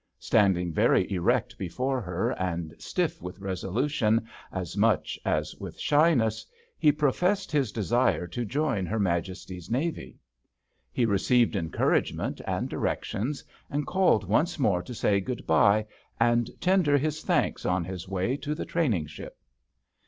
Standing very erect before her, and stiff with resolution as much as with shyness, he professed his desire to join her Majesty's Navy. He received encouragement and directions, and called once more to say good bye and tender his thanks on his way to the training ship.